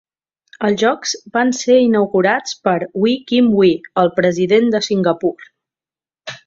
Els jocs van ser inaugurats per Wee Kim Wee, el President de Singapur.